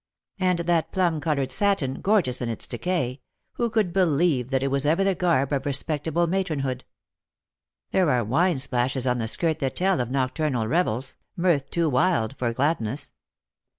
And that plum coloured satin, gor geous in its decay — who could believe that it was ever the garb of respectable matronhood? There are wine splashes on the skirt that tell of nocturnal revels, mirth too wild, for gladness.